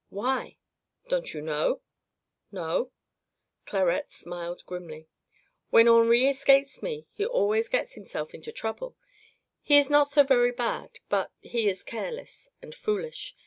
"Why?" "Don't you know?" "No." Clarette smiled grimly. "When Henri escapes me, he always gets himself into trouble. He is not so very bad, but he is careless and foolish.